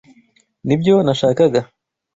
Nibyo nashakaga.